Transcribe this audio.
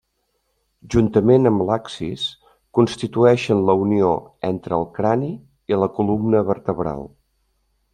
Juntament amb l'axis, constitueixen la unió entre el crani i la columna vertebral.